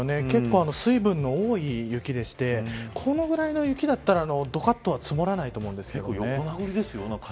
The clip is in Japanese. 結構水分の多い雪でしてこのぐらいで雪だったらどかっとは積もらないと思うんですけどね。